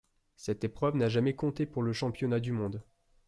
Cette épreuve n'a jamais compté pour le championnat du monde.